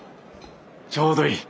ちょうどいい。